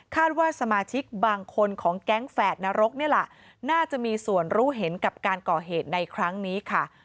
ว่าสมาชิกบางคนของแก๊งแฝดนรกนี่แหละน่าจะมีส่วนรู้เห็นกับการก่อเหตุในครั้งนี้ค่ะ